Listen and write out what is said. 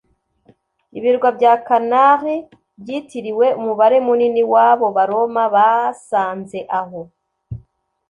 Ibirwa bya Canary byitiriwe umubare munini w'abo Baroma basanze aho,